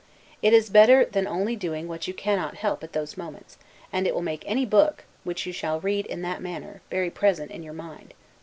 It is better than only doing what you cannot help doing at those moments; and it will made any book, which you shall read in that manner, very present in your mind.